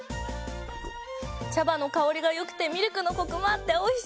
茶葉の香りがよくてミルクのコクもあっておいしい！